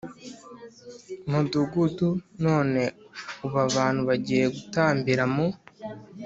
Mudugudu none ubu abantu bagiye gutambira mu